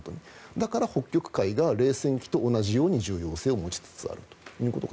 だから北極海が冷戦期と同じように重要性を持ちつつあると。